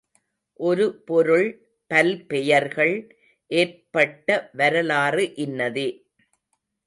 ஒரு பொருள் பல் பெயர்கள் ஏற்பட்ட வரலாறு இன்னதே.